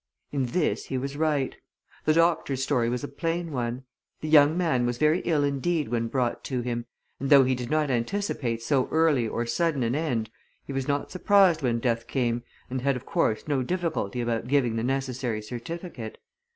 In this he was right. The doctor's story was a plain one. The young man was very ill indeed when brought to him, and though he did not anticipate so early or sudden an end, he was not surprised when death came, and had of course, no difficulty about giving the necessary certificate.